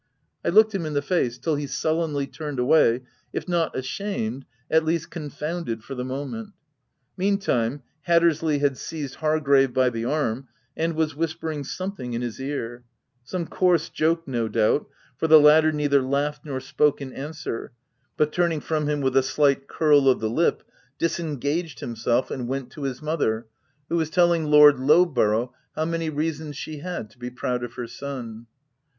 I looked him in the face, till he sullenly turned away, if not ashamed, at least confounded for the moment. Mean time, Hattersley had seized Hargrave by the arm, and w r as whispering something in his ear — some coarse joke, no doubt, for the latter neither laughed nor spoke in answer, but, turning from him with a slight curl of the lip, disengaged himself and went to his mother, OF WILDFELL HALL. 329 who was telling Lord Lowborough how many reasons she had to be proud of her son.